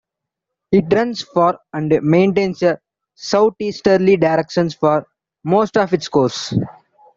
It runs for and maintains a south-easterly direction for most of its course.